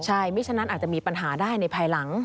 ใช่ไม่ฉะนั้นอาจจะมีปัญหาได้ในภายหลัง